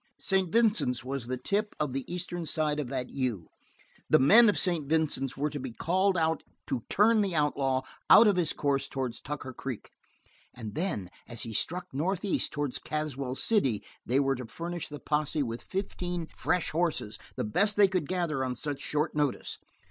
St. Vincent's was the tip of the eastern side of that U. The men of St. Vincent's were to be called out to turn the outlaw out of his course towards Tucker Creek, and then, as he struck northeast towards Caswell City, they were to furnish the posse with fifteen fresh horses, the best they could gather on such short notice.